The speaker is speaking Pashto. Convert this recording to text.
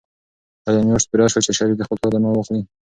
آیا میاشت پوره شوه چې شریف د خپل پلار درمل واخلي؟